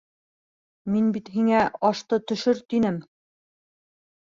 Мин бит һиңә ашты төшөр, тинем.